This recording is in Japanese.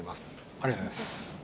ありがとうございます